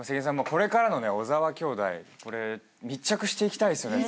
これからの小澤きょうだい密着していきたいですよね